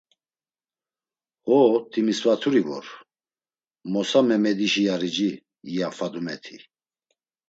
“Ho! Timisvaturi vor; Mosa Memedişi yarici.” ya Fadumeti.